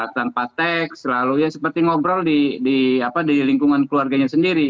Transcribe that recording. tanpa teks selalu ya seperti ngobrol di lingkungan keluarganya sendiri